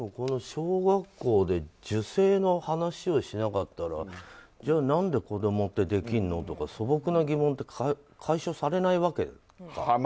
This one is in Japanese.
小学校で受精の話をしなかったらじゃあ何で子供ってできるの？とか素朴な疑問は解消されないわけですか。